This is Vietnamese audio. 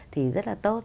thì rất là tốt